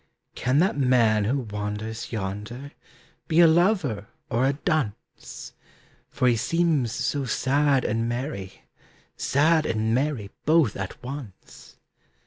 "Can that man who wanders yonder Be a lover or a dunce? For he seems so sad and merry, Sad and merry both at once."